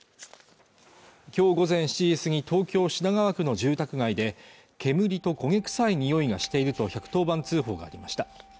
今日午前７時過ぎ東京品川区の住宅街で煙と焦げ臭いにおいがしていると１１０番通報がありました